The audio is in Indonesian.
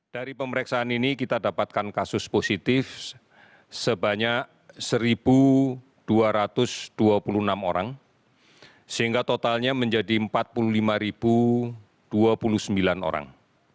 dari pemeriksaan ini kita dapatkan kasus positif sebanyak satu dua ratus dua puluh enam orang sehingga totalnya menjadi empat puluh lima dua puluh sembilan orang